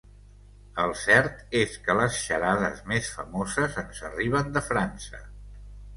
El cert és que les xarades més famoses ens arriben de França.